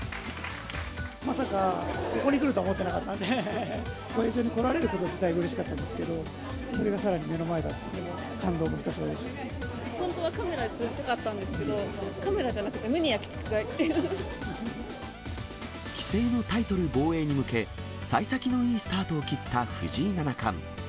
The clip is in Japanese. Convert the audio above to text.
まさかここに来るとは思ってなかったので、会場に来られること自体、うれしかったんですけど、それがさらに目の前だったので、本当はカメラで撮りたかったんですけど、カメラじゃなくて、棋聖のタイトル防衛に向け、さい先のいいスタートを切った藤井七冠。